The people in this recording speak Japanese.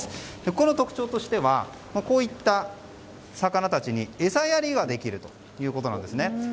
ここの特徴としてはこういった魚たちに餌やりができるということです。